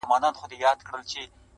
طبیعت د انسان روح خوشحالوي